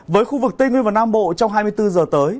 với khu vực tây nguyên và nam bộ trong hai mươi bốn giờ tới